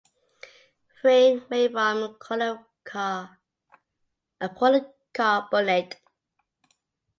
Frame made from polycarbonate.